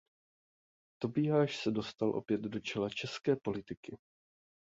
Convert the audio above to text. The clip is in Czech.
Tobiáš se dostal opět do čela české politiky.